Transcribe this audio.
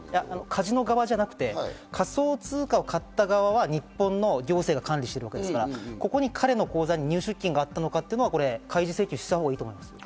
カジノ側ではなく、仮想通貨を買った側を日本の行政が管理しているので、彼の口座に入出金があったのか開示請求したほうがいいと思いますよ。